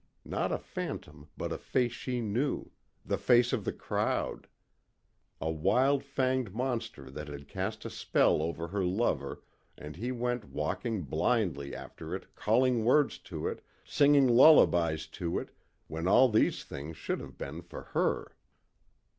Not a phantom but a face she knew the face of the crowd. A wild fanged monster that had cast a spell over her lover and he went walking blindly after it calling words to it, singing lullabys to it, when all these things should have been for her.